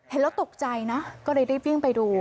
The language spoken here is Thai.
แล้วตกใจนะก็เลยรีบวิ่งไปดู